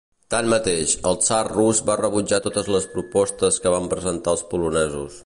Tanmateix, el tsar rus va rebutjat totes les propostes que van presentar els polonesos.